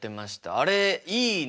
あれいいね。